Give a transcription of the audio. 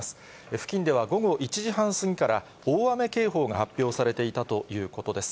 付近では午後１時半過ぎから、大雨警報が発表されていたということです。